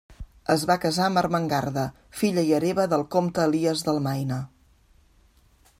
Es va casar amb Ermengarda, filla i hereva del comte Elies del Maine.